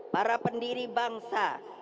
para pendiri bangsa